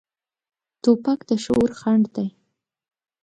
توپک د شعور خنډ دی.